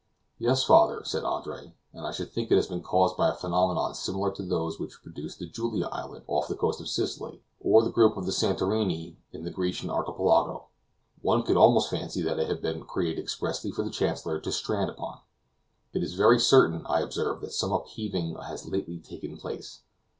"Yes, father," said Andre, "and I should think it has been caused by a phenomenon similar to those which produced the Julia Island, off the coast of Sicily, or the group of the Santorini, in the Grecian Archipelago. One could almost fancy that it had been created expressly for the Chancellor to strand upon." "It is very certain," I observed, "that some upheaving has lately taken place.